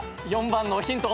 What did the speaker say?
４番のヒント